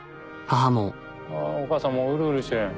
あぁお母さんもううるうるしてるやん。